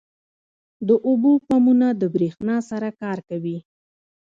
• د اوبو پمپونه د برېښنا سره کار کوي.